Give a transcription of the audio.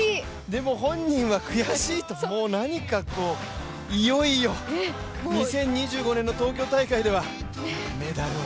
でも本人は悔しいと、何かいよいよ２０２５年の東京大会ではメダルを。